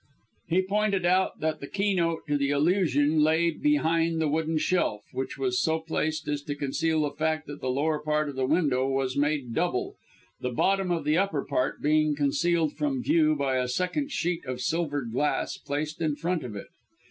He pointed out that the keynote to the illusion lay behind the wooden shelf, which was so placed as to conceal the fact that the lower part of the window was made double, the bottom of the upper part being concealed from view by a second sheet of silvered glass placed in front of it.